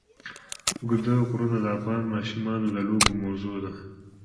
اوږده غرونه د افغان ماشومانو د لوبو موضوع ده.